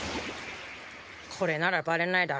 これならバレないだろ？